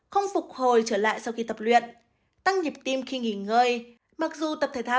không phục hồi trở lại sau khi tập luyện tăng nhịp tim khi nghỉ ngơi mặc dù tập thể thao